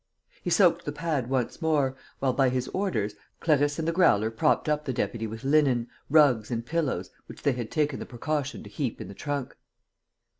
He soaked the pad once more, while, by his orders, Clarisse and the Growler propped up the deputy with linen, rugs and pillows, which they had taken the precaution to heap in the trunk.